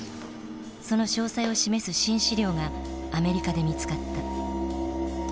その詳細を示す新史料がアメリカで見つかった。